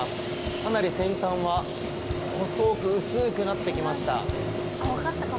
かなり先端は細く薄くなってきました。